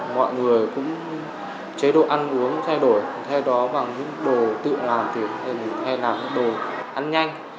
mọi người cũng chế độ ăn uống thay đổi thay đó bằng những đồ tự làm hay làm những đồ ăn nhanh